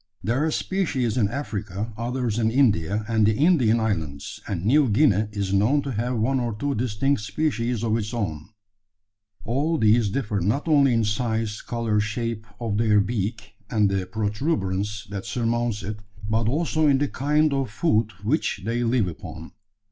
There are species in Africa, others in India and the Indian islands, and New Guinea is known to have one or two distinct species of its own. All these differ not only in size, colour, shape of their beak, and the protuberance that surmounts it; but also in the kind of food which they live upon.